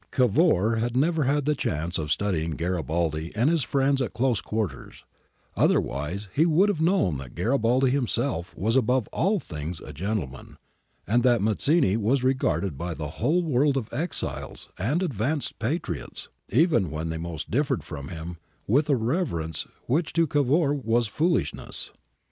Cavour had never had the chance of studying Garibaldi and his friends at close quarters ; otherwise he would have known that Garibaldi himself was above all things a gentleman, and that Mazzini was regarded by the whole world of exiles and advanced patriots, even when they most differed from him, with a reverence which to Cavour was foolishness.